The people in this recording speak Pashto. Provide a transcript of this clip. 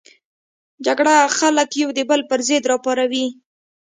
جګړه خلک یو د بل پر ضد راپاروي